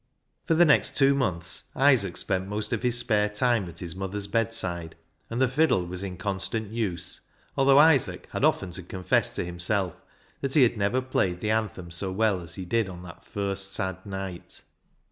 For the next two months Isaac spent most of his spare time at his mother's bedside, and the fiddle was in constant use, although Isaac had often to confess to himself that he had never played the anthem so well as he did on that first sad night.